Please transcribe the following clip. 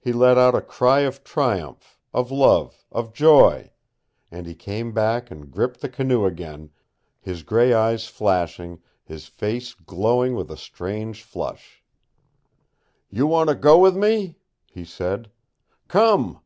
He let out a cry of triumph, of love, of joy; and he came back and gripped the canoe again, his gray eyes flashing, his face glowing with a strange flush. "You want to go with me?" he said. "Come!"